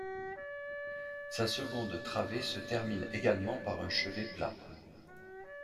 Sa seconde travée se termine également par un chevet plat.